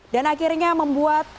dan akhirnya membuat enam lima